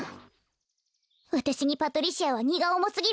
わたしにパトリシアはにがおもすぎるわ。